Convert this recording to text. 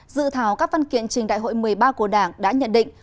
dự thảo các văn kiện trình đại hội một mươi ba của đảng đã nhận định